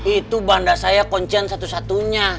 itu bandasaya koncian satu satunya